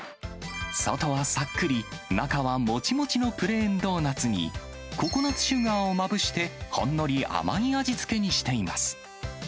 外はさっくり、中はもちもちのプレーンドーナツに、ココナツシュガーをまぶして、ほんのり甘い味付けにしています。